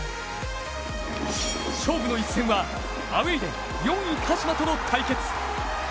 勝負の一戦はアウェーで４位・鹿島との対決。